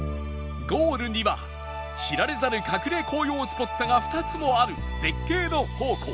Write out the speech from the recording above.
ゴールには知られざる隠れ紅葉スポットが２つもある絶景の宝庫